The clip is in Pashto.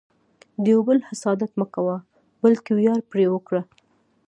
د یو بل حسادت مه کوه، بلکې ویاړ پرې وکړه.